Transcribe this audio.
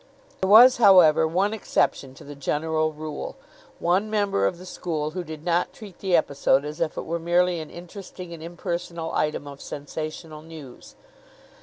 There was, however, one exception to the general rule, one member of the school who did not treat the episode as if it were merely an interesting and impersonal item of sensational news.